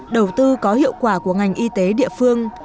đầu tư có hiệu quả của ngành y tế địa phương